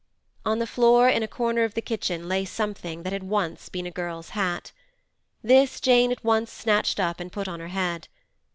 On the floor in a corner of the kitchen lay something that had once been a girl's hat. This Jane at once snatched up and put on her head.